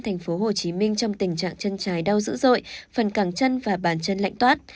tp hcm trong tình trạng chân trái đau dữ dội phần cẳng chân và bàn chân lạnh toát